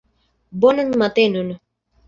Bonan matenon.